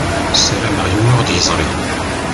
Sarameɣ yiwen ur ɣ-d-iẓṛi.